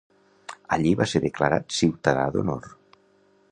Allí va ser declarat Ciutadà d'Honor.